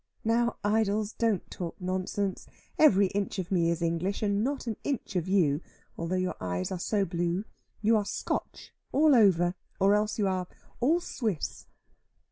"Now, Idols, don't talk nonsense. Every inch of me is English, and not an inch of you; although your eyes are so blue. You are Scotch all over, or else you are all Swiss."